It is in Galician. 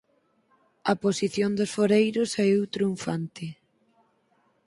A posición dos foreiros saíu triunfante.